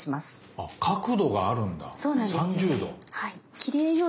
あ角度があるんだ３０°。